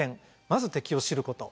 まず敵を知ること。